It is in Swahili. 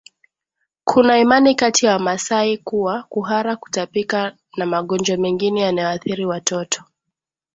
Kuna imani kati ya Wamasai kuwa kuhara kutapika na magonjwa mengine yanayoathiri watoto